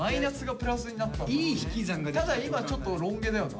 ただ今ちょっとロン毛だよな。